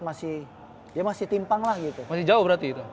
masih dia masih timpang lagi itu masih jauh berarti itu